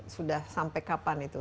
sudah sampai kapan itu